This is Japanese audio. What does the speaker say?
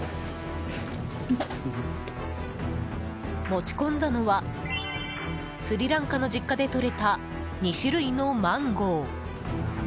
持ち込んだのはスリランカの実家でとれた２種類のマンゴー。